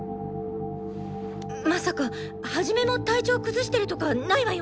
まさかハジメも体調崩してるとかないわよね？